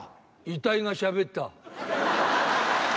遺体がしゃべった。